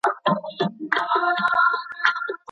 ولي مدام هڅاند د وړ کس په پرتله خنډونه ماتوي؟